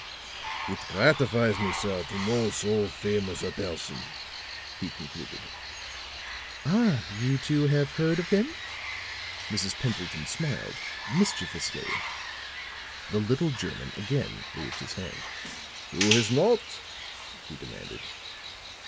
"It gratifies me, sir, to know so famous a person," he concluded. "Ah, you, too, have heard of him?" Mrs. Pendleton smiled, mischievously. The little German again waved his hand. "Who has not?" he demanded.